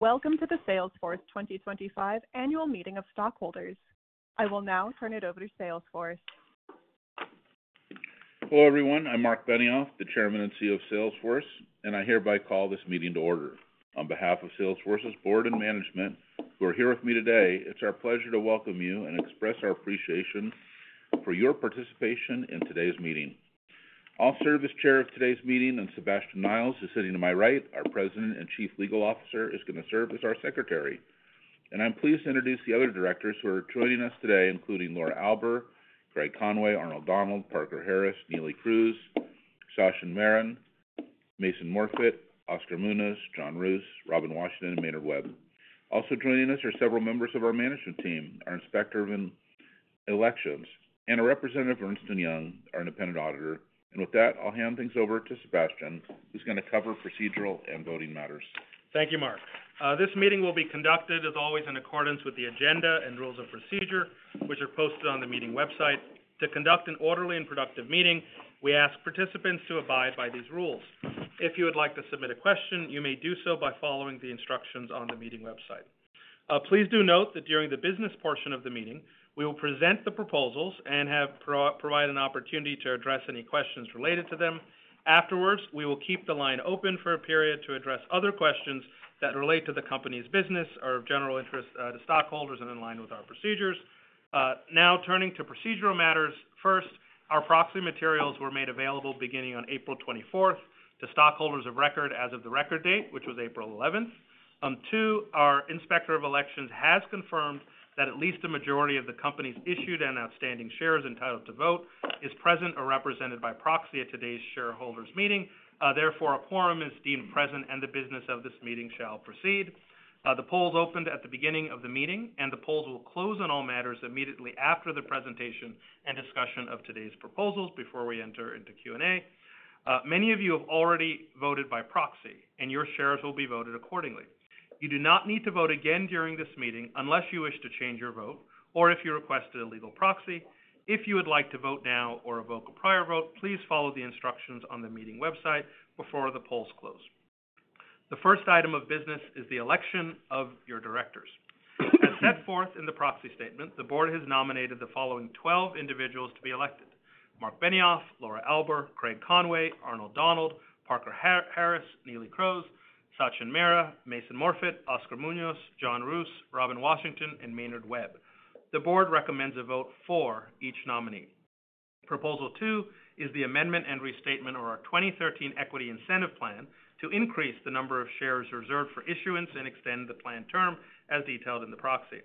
Welcome to the Salesforce 2025 Annual Meeting of Stockholders. I will now turn it over to Salesforce. Hello everyone, I'm Marc Benioff, the Chairman and CEO of Salesforce, and I hereby call this meeting to order. On behalf of Salesforce's Board and Management, who are here with me today, it's our pleasure to welcome you and express our appreciation for your participation in today's meeting. I'll serve as Chair of today's meeting, and Sabastian Niles is sitting to my right. Our President and Chief Legal Officer is going to serve as our Secretary. I'm pleased to introduce the other directors who are joining us today, including Laura Alber, Greg Conway, Arnold Donald, Parker Harris, Neely Cruz, Sasha Marin, Mason Morphet, Oscar Muniz, John Roos, Robin Washington, and Maynard Webb. Also joining us are several members of our Management Team, our Inspector of Elections, and a representative from Ernst & Young, our Independent Auditor. With that, I'll hand things over to Sabastian, who's going to cover procedural and voting matters. Thank you, Marc. This meeting will be conducted, as always, in accordance with the agenda and rules of procedure, which are posted on the meeting website. To conduct an orderly and productive meeting, we ask participants to abide by these rules. If you would like to submit a question, you may do so by following the instructions on the meeting website. Please do note that during the business portion of the meeting, we will present the proposals and have provided an opportunity to address any questions related to them. Afterwards, we will keep the line open for a period to address other questions that relate to the company's business or of general interest to stockholders and in line with our procedures. Now, turning to procedural matters, first, our proxy materials were made available beginning on April 24th to stockholders of record as of the record date, which was April 11th. Two, our Inspector of Elections has confirmed that at least a majority of the company's issued and outstanding shares entitled to vote is present or represented by proxy at today's shareholders' meeting. Therefore, a quorum is deemed present, and the business of this meeting shall proceed. The polls opened at the beginning of the meeting, and the polls will close on all matters immediately after the presentation and discussion of today's proposals before we enter into Q&A. Many of you have already voted by proxy, and your shares will be voted accordingly. You do not need to vote again during this meeting unless you wish to change your vote or if you requested a legal proxy. If you would like to vote now or revoke a prior vote, please follow the instructions on the meeting website before the polls close. The first item of business is the election of your directors. As set forth in the proxy statement, the Board has nominated the following 12 individuals to be elected: Marc Benioff, Laura Alber, Greg Conway, Arnold Donald, Parker Harris, Neely Cruz, Satya Nara, Mason Morphet, Oscar Muniz, John Roos, Robin Washington, and Maynard Webb. The Board recommends a vote for each nominee. Proposal two is the amendment and restatement of our 2013 Equity Incentive Plan to increase the number of shares reserved for issuance and extend the planned term as detailed in the proxy.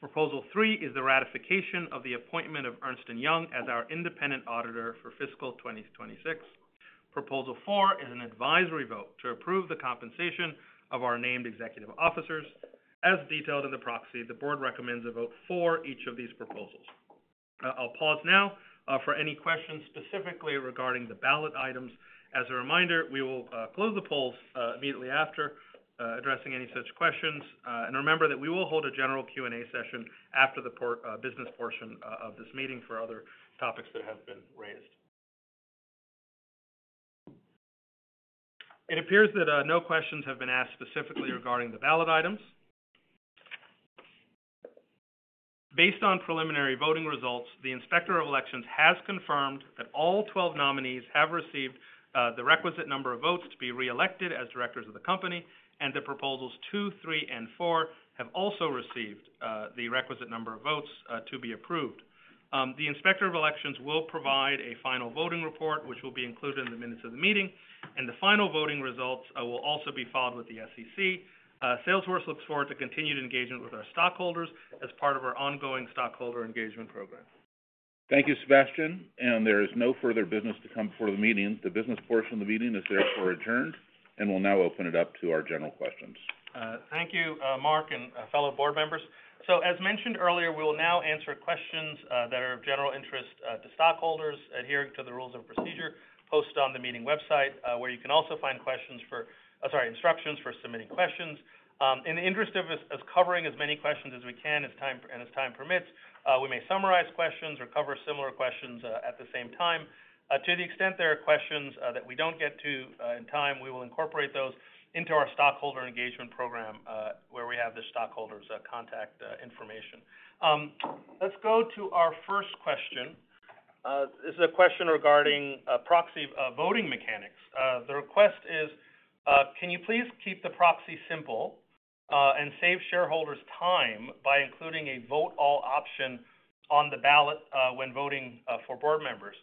Proposal three is the ratification of the appointment of Ernst & Young as our Independent Auditor for fiscal 2026. Proposal four is an advisory vote to approve the compensation of our named executive officers. As detailed in the proxy, the Board recommends a vote for each of these proposals. I'll pause now for any questions specifically regarding the ballot items. As a reminder, we will close the polls immediately after addressing any such questions. Remember that we will hold a general Q&A session after the business portion of this meeting for other topics that have been raised. It appears that no questions have been asked specifically regarding the ballot items. Based on preliminary voting results, the Inspector of Elections has confirmed that all 12 nominees have received the requisite number of votes to be re-elected as directors of the company, and proposals two, three, and four have also received the requisite number of votes to be approved. The Inspector of Elections will provide a final voting report, which will be included in the minutes of the meeting, and the final voting results will also be filed with the SEC. Salesforce looks forward to continued engagement with our stockholders as part of our ongoing stockholder engagement program. Thank you, Sabastian, and there is no further business to come before the meeting. The business portion of the meeting is therefore adjourned and we will now open it up to our general questions. Thank you, Marc and fellow board members. As mentioned earlier, we will now answer questions that are of general interest to stockholders adhering to the rules of procedure posted on the meeting website, where you can also find instructions for submitting questions. In the interest of us covering as many questions as we can and as time permits, we may summarize questions or cover similar questions at the same time. To the extent there are questions that we do not get to in time, we will incorporate those into our stockholder engagement program, where we have the stockholders' contact information. Let's go to our first question. This is a question regarding proxy voting mechanics. The request is, can you please keep the proxy simple and save shareholders' time by including a vote all option on the ballot when voting for board members?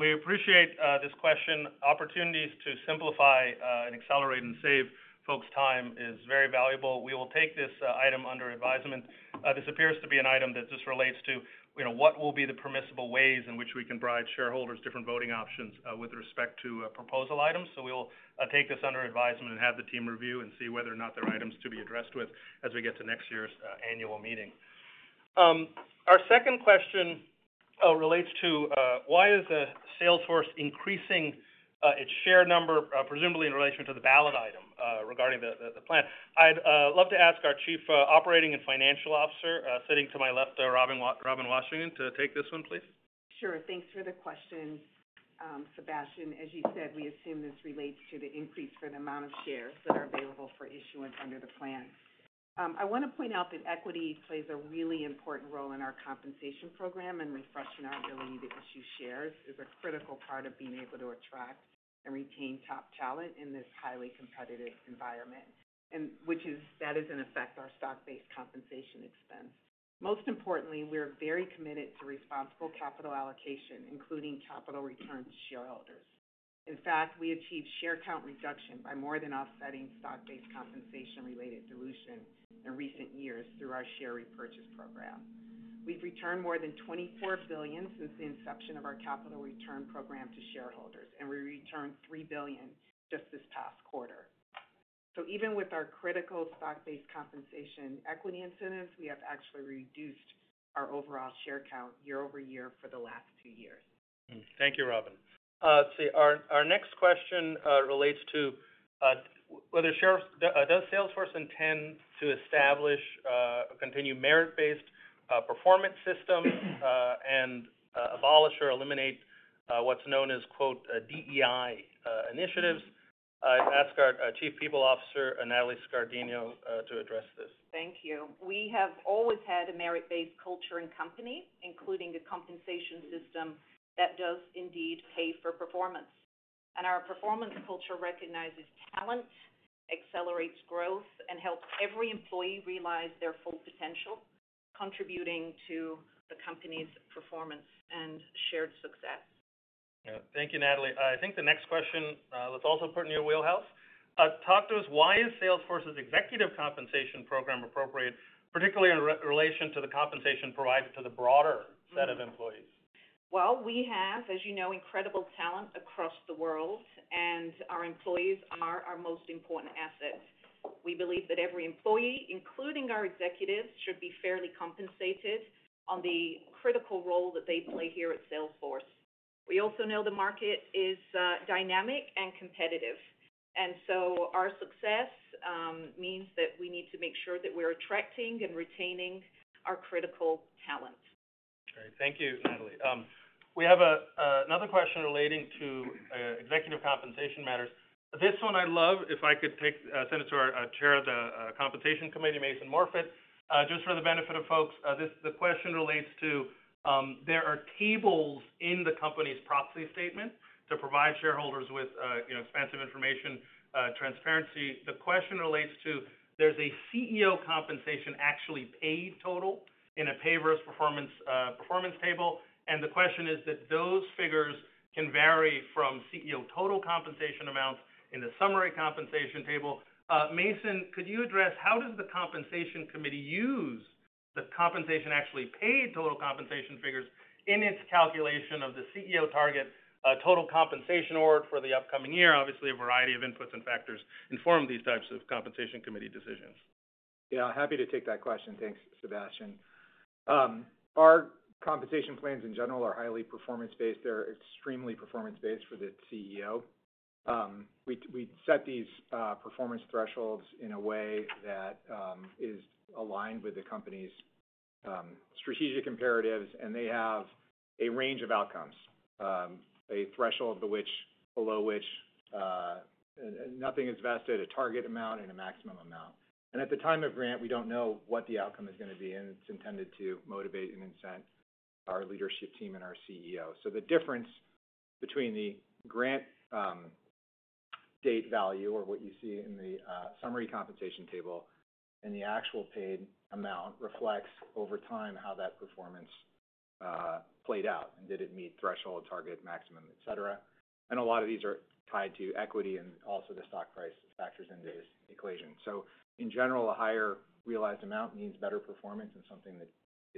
We appreciate this question. Opportunities to simplify and accelerate and save folks' time is very valuable. We will take this item under advisement. This appears to be an item that just relates to what will be the permissible ways in which we can provide shareholders different voting options with respect to proposal items. We will take this under advisement and have the team review and see whether or not there are items to be addressed with as we get to next year's annual meeting. Our second question relates to why is Salesforce increasing its share number, presumably in relation to the ballot item regarding the plan? I'd love to ask our Chief Operating and Financial Officer, sitting to my left, Robin Washington, to take this one, please. Sure. Thanks for the question, Sabastian. As you said, we assume this relates to the increase for the amount of shares that are available for issuance under the plan. I want to point out that equity plays a really important role in our compensation program and refreshing our ability to issue shares is a critical part of being able to attract and retain top talent in this highly competitive environment, which is, that is, in effect, our stock-based compensation expense. Most importantly, we're very committed to responsible capital allocation, including capital returns to shareholders. In fact, we achieved share count reduction by more than offsetting stock-based compensation-related dilution in recent years through our share repurchase program. We've returned more than $24 billion since the inception of our capital return program to shareholders, and we returned $3 billion just this past quarter. Even with our critical stock-based compensation equity incentives, we have actually reduced our overall share count year over year for the last two years. Thank you, Robin. Let's see. Our next question relates to whether Salesforce intends to establish a continued merit-based performance system and abolish or eliminate what's known as, quote, DEI initiatives. I'd ask our Chief People Officer, Nathalie Scardino, to address this. Thank you. We have always had a merit-based culture in companies, including a compensation system that does indeed pay for performance. Our performance culture recognizes talent, accelerates growth, and helps every employee realize their full potential, contributing to the company's performance and shared success. Thank you, Nathalie. I think the next question, let's also put in your wheelhouse. Talk to us, why is Salesforce's executive compensation program appropriate, particularly in relation to the compensation provided to the broader set of employees? We have, as you know, incredible talent across the world, and our employees are our most important asset. We believe that every employee, including our executives, should be fairly compensated on the critical role that they play here at Salesforce. We also know the market is dynamic and competitive. Our success means that we need to make sure that we're attracting and retaining our critical talent. All right. Thank you, Nathalie. We have another question relating to executive compensation matters. This one I'd love, if I could send it to our Chair of the Compensation Committee, Mason Morphet, just for the benefit of folks. The question relates to there are tables in the company's proxy statement to provide shareholders with expansive information transparency. The question relates to there's a CEO compensation actually paid total in a pay versus performance table. And the question is that those figures can vary from CEO total compensation amounts in the summary compensation table. Mason, could you address how does the Compensation Committee use the compensation actually paid total compensation figures in its calculation of the CEO target total compensation org for the upcoming year? Obviously, a variety of inputs and factors inform these types of Compensation Committee decisions. Yeah, happy to take that question. Thanks, Sabastian. Our compensation plans in general are highly performance-based. They're extremely performance-based for the CEO. We set these performance thresholds in a way that is aligned with the company's strategic imperatives, and they have a range of outcomes, a threshold below which nothing is vested, a target amount, and a maximum amount. At the time of grant, we don't know what the outcome is going to be, and it's intended to motivate and incent our leadership team and our CEO. The difference between the grant date value, or what you see in the summary compensation table, and the actual paid amount reflects over time how that performance played out and did it meet threshold, target, maximum, et cetera. A lot of these are tied to equity and also the stock price factors into this equation. In general, a higher realized amount means better performance and something that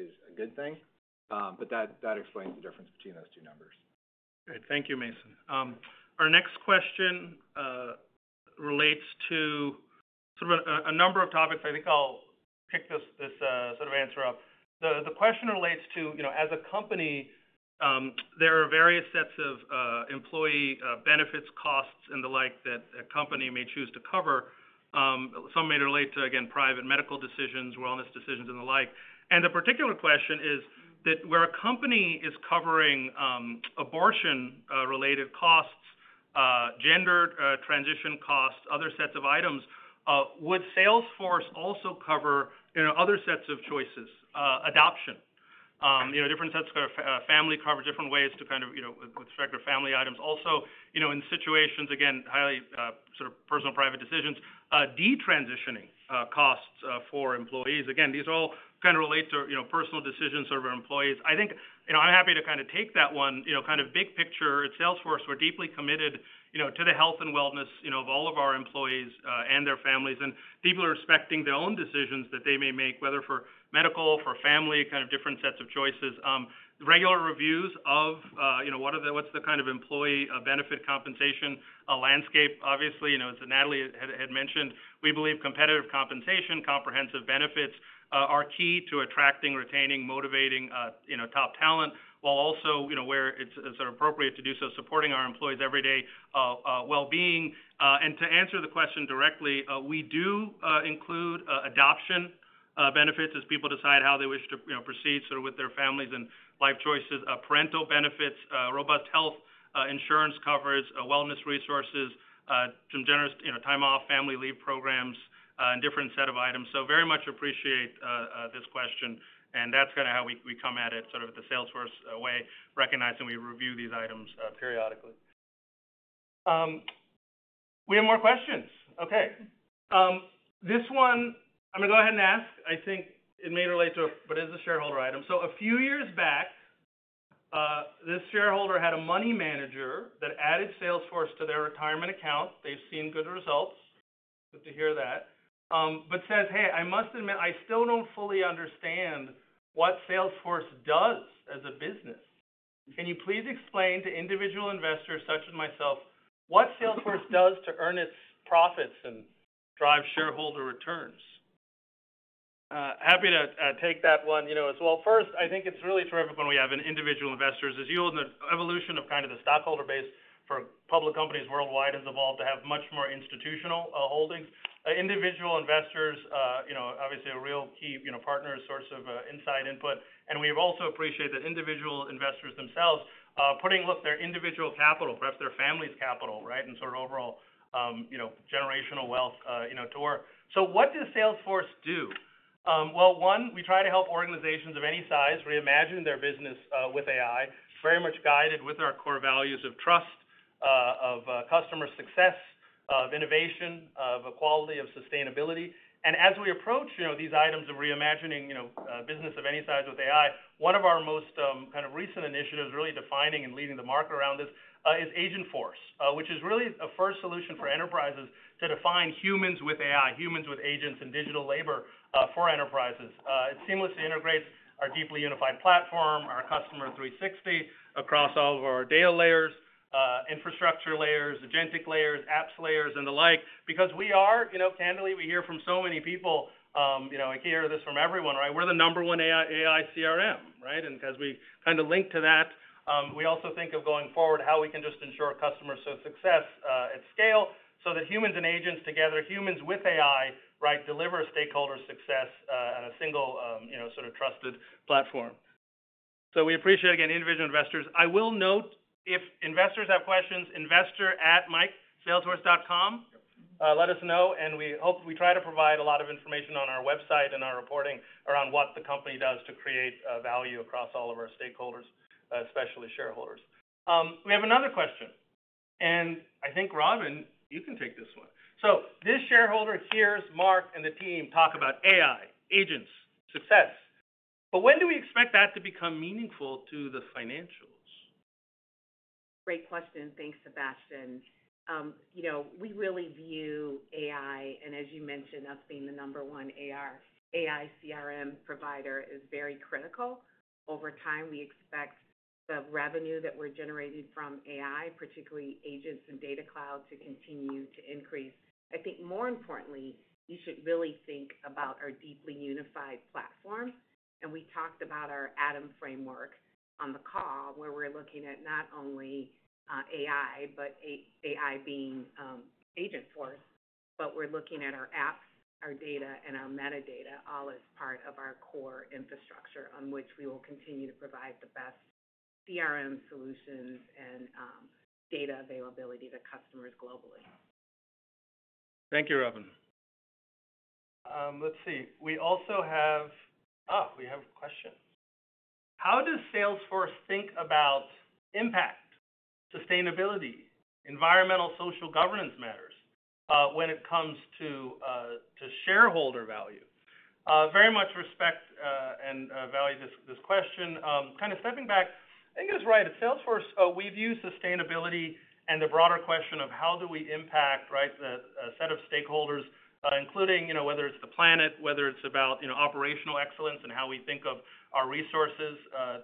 is a good thing. That explains the difference between those two numbers. Thank you, Mason. Our next question relates to sort of a number of topics. I think I'll pick this sort of answer up. The question relates to, as a company, there are various sets of employee benefits, costs, and the like that a company may choose to cover. Some may relate to, again, private medical decisions, wellness decisions, and the like. The particular question is that where a company is covering abortion-related costs, gender transition costs, other sets of items, would Salesforce also cover other sets of choices, adoption, different sets of family coverage, different ways to kind of with respect to family items. Also, in situations, again, highly sort of personal private decisions, detransitioning costs for employees. Again, these all kind of relate to personal decisions for employees. I think I'm happy to kind of take that one kind of big picture. At Salesforce, we're deeply committed to the health and wellness of all of our employees and their families. People are expecting their own decisions that they may make, whether for medical, for family, kind of different sets of choices. Regular reviews of what's the kind of employee benefit compensation landscape, obviously, as Nathalie had mentioned, we believe competitive compensation, comprehensive benefits are key to attracting, retaining, motivating top talent, while also where it's appropriate to do so, supporting our employees' everyday well-being. To answer the question directly, we do include adoption benefits as people decide how they wish to proceed sort of with their families and life choices, parental benefits, robust health insurance coverage, wellness resources, some generous time-off, family leave programs, and different set of items. Very much appreciate this question. That's kind of how we come at it, sort of at the Salesforce way, recognizing we review these items periodically. We have more questions. Okay. This one, I'm going to go ahead and ask. I think it may relate to, but it is a shareholder item. A few years back, this shareholder had a money manager that added Salesforce to their retirement account. They've seen good results. Good to hear that. Says, "Hey, I must admit, I still don't fully understand what Salesforce does as a business. Can you please explain to individual investors such as myself what Salesforce does to earn its profits and drive shareholder returns?" Happy to take that one as well. First, I think it's really terrific when we have individual investors. As you all know, the evolution of kind of the stockholder base for public companies worldwide has evolved to have much more institutional holdings. Individual investors, obviously, are real key partners, source of inside input. We have also appreciated that individual investors themselves are putting, look, their individual capital, perhaps their family's capital, right, and sort of overall generational wealth to work. What does Salesforce do? One, we try to help organizations of any size reimagine their business with AI, very much guided with our core values of trust, of customer success, of innovation, of equality, of sustainability. As we approach these items of reimagining business of any size with AI, one of our most kind of recent initiatives, really defining and leading the market around this, is agent force, which is really a first solution for enterprises to define humans with AI, humans with agents and digital labor for enterprises. It seamlessly integrates our deeply unified platform, our Customer 360 across all of our data layers, infrastructure layers, agentic layers, apps layers, and the like. Because we are, candidly, we hear from so many people. I hear this from everyone, right? We're the number one AI CRM, right? As we kind of link to that, we also think of going forward how we can just ensure customer success at scale so that humans and agents together, humans with AI, right, deliver stakeholder success on a single sort of trusted platform. We appreciate, again, individual investors. I will note, if investors have questions, investor@mikesalesforce.com, let us know. We try to provide a lot of information on our website and our reporting around what the company does to create value across all of our stakeholders, especially shareholders. We have another question. I think, Robin, you can take this one. This shareholder hears Mark and the team talk about AI, agents, success. When do we expect that to become meaningful to the financials? Great question. Thanks, Sabastian. We really view AI, and as you mentioned, us being the number one AI CRM provider, is very critical. Over time, we expect the revenue that we're generating from AI, particularly agents and Data Cloud, to continue to increase. I think more importantly, you should really think about our deeply unified platform. We talked about our Adam framework on the call, where we're looking at not only AI, but AI being agent force, but we're looking at our apps, our data, and our metadata all as part of our core infrastructure on which we will continue to provide the best CRM solutions and data availability to customers globally. Thank you, Robin. Let's see. We also have, oh, we have a question. How does Salesforce think about impact, sustainability, environmental, social governance matters when it comes to shareholder value? Very much respect and value this question. Kind of stepping back, I think it's right. At Salesforce, we've used sustainability and the broader question of how do we impact, right, the set of stakeholders, including whether it's the planet, whether it's about operational excellence and how we think of our resources,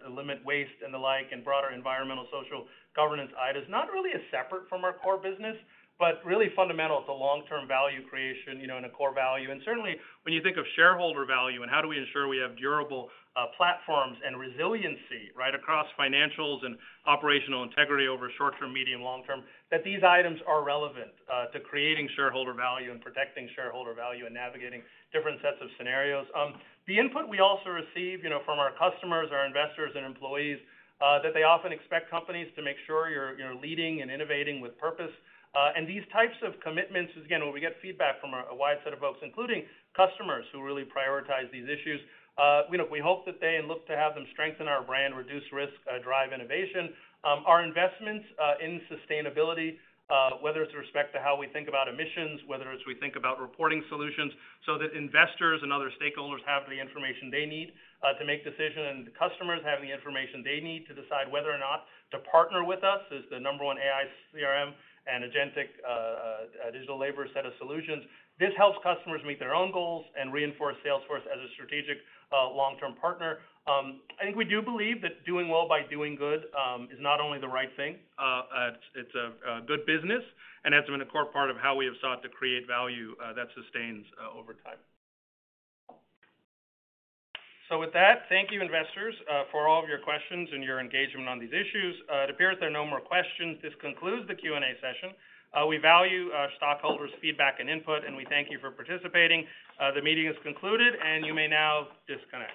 limit waste and the like, and broader environmental, social governance items, not really separate from our core business, but really fundamental to long-term value creation and a core value. Certainly, when you think of shareholder value and how do we ensure we have durable platforms and resiliency, right, across financials and operational integrity over short-term, medium, long-term, these items are relevant to creating shareholder value and protecting shareholder value and navigating different sets of scenarios. The input we also receive from our customers, our investors, and employees that they often expect companies to make sure you're leading and innovating with purpose. These types of commitments, again, when we get feedback from a wide set of folks, including customers who really prioritize these issues, we hope that they look to have them strengthen our brand, reduce risk, drive innovation. Our investments in sustainability, whether it's with respect to how we think about emissions, whether it's we think about reporting solutions so that investors and other stakeholders have the information they need to make decisions and customers have the information they need to decide whether or not to partner with us as the number one AI CRM and agentic digital labor set of solutions. This helps customers meet their own goals and reinforce Salesforce as a strategic long-term partner. I think we do believe that doing well by doing good is not only the right thing, it's a good business, and it's been a core part of how we have sought to create value that sustains over time. With that, thank you, investors, for all of your questions and your engagement on these issues. It appears there are no more questions. This concludes the Q&A session. We value stockholders' feedback and input, and we thank you for participating. The meeting is concluded, and you may now disconnect.